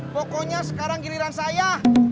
pokoknya sekarang giliran saya